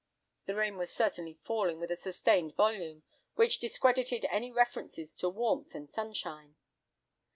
The rain was certainly falling with a sustained volume, which discredited any references to warmth and sunshine.